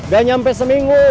gak nyampe seminggu